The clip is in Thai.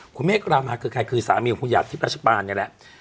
คุณเมฆรามาคือใครคือสามีของคุณหัดที่รัชปานนี่แหละ